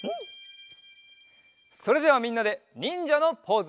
それではみんなでにんじゃのポーズ。